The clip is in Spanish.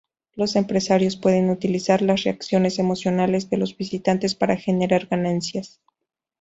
Los empresarios pueden utilizar las reacciones emocionales de los visitantes para generar ganancias.